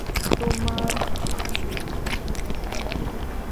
তোমার অন্য সত্তা থেকে।